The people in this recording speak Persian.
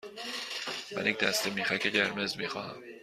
من یک دسته میخک قرمز می خواهم.